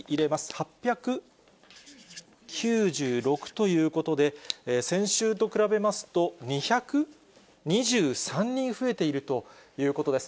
８９６ということで、先週と比べますと、２２３人増えているということです。